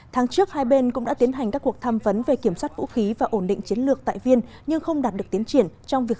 tháng trước hai bên cũng đã tiến hành các cuộc tham vấn về kiểm soát vũ khí và ổn định chiến lược tại viên nhưng không đạt được tiến triển trong việc